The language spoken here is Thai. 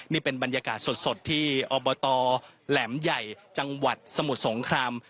นี่เป็นบรรยากาศสดที่อบตแหลมใหญ่จังหวัดสมุทรสงคราม